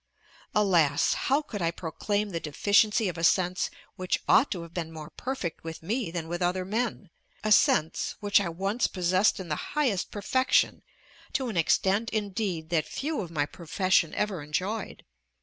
Alas! how could I proclaim the deficiency of a sense which ought to have been more perfect with me than with other men a sense which I once possessed in the highest perfection, to an extent indeed that few of my profession ever enjoyed!